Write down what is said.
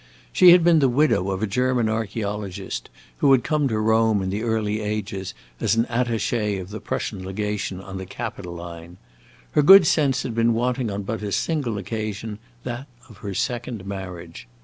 She had been the widow of a German archaeologist, who had come to Rome in the early ages as an attache of the Prussian legation on the Capitoline. Her good sense had been wanting on but a single occasion, that of her second marriage.